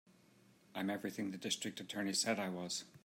I'm everything the District Attorney said I was.